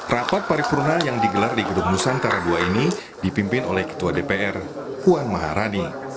rapat paripurna yang digelar di gedung nusantara ii ini dipimpin oleh ketua dpr puan maharani